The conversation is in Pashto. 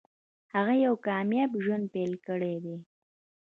هغه یو کامیاب ژوند پیل کړی دی